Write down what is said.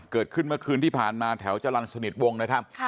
เกิดขึ้นเมื่อคืนที่ผ่านมาแถวจรรย์สนิทวงนะครับ